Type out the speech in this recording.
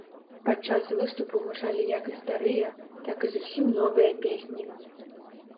Падчас выступу гучалі як і старыя, так і зусім новыя песні.